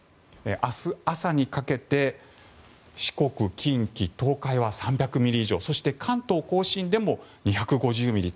明日朝にかけて四国、近畿、東海は３００ミリ以上そして、関東・甲信でも２５０ミリ。